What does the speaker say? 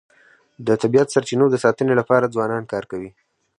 د طبیعي سرچینو د ساتنې لپاره ځوانان کار کوي.